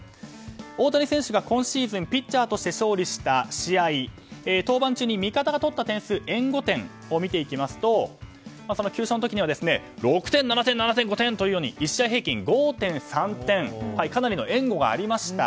大谷選手が今シーズンピッチャーとして勝利した試合登板中に味方がとった点数援護点を見てみますと９勝のときには６点、７点、５点と１試合平均５．３点かなりの援護がありました。